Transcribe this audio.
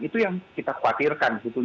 itu yang kita khawatirkan